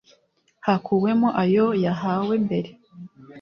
hakuwemo ayo yahawe mbere